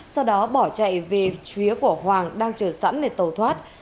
sau đó bỏ chạy về phía của hoàng đang chờ sẵn để tàu thoát